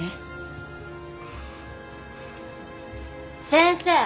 先生。